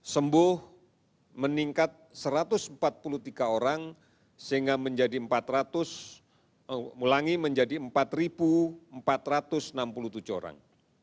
sembuh meningkat satu ratus empat puluh tiga orang sehingga menjadi empat empat ratus enam puluh tujuh orang